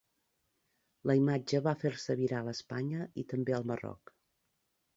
La imatge va fer-se viral a Espanya i també al Marroc.